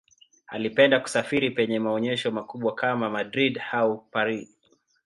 Alipenda kusafiri penye maonyesho makubwa kama Madrid au Paris.